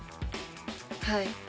はい。